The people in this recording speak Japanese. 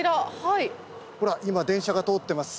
今電車が通ってます。